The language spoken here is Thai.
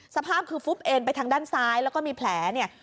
สภาพคือฟุบเอ็นไปทางด้านซ้ายแล้วก็มีแผลเนี่ย